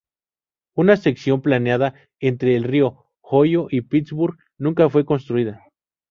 Una sección planeada entre el río Ohio y Pittsburgh nunca fue construida.